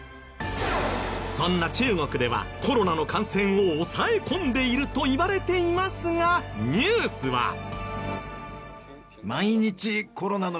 そんな中国ではコロナの感染を抑え込んでいるといわれていますがニュースは？